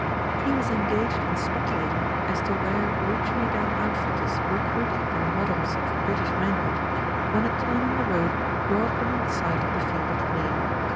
He was engaged in speculating as to where reach me down outfitters recruited their models of British man hood, when a turn in the road brought them in sight of the field of play.